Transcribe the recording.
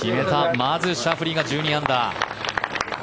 まずシャフリーが１２アンダー。